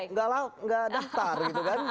nggak daftar gitu kan